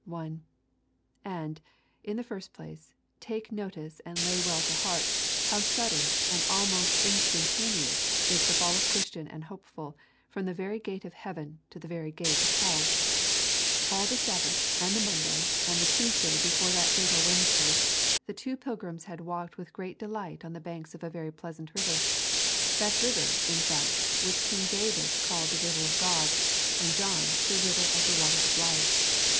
1. And, in the first place, take notice, and lay well to heart, how sudden, and almost instantaneous, is the fall of Christian and Hopeful from the very gate of heaven to the very gate of hell. All the Sabbath and the Monday and the Tuesday before that fatal Wednesday, the two pilgrims had walked with great delight on the banks of a very pleasant river; that river, in fact, which David the King called the river of God, and John, the river of the water of life.